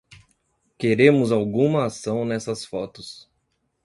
Queremos alguma ação nessas fotos.